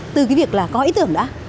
từ cái việc là có ý tưởng đó